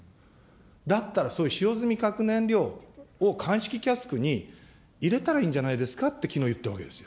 だったら使用済み核燃料、かんしきキャスクに入れたらいいんじゃないですかって、きのう言ったわけですよ。